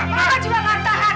bapak juga nggak tahan lagi